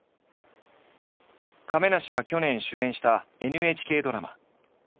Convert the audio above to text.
亀梨が去年主演したＮＨＫドラマ。